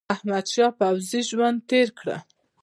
احمدشاه د پوځي ژوند تېر کړ.